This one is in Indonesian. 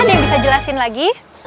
yang bisa jelasin lagi